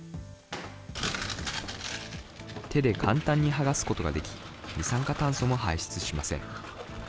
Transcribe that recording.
手で簡単にはがすことができ、二酸化炭素も排出しません。